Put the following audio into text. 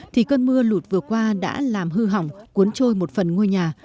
thì cơn mưa lụt vừa qua đã làm hư hỏng cuốn trôi một phần ngôi nhà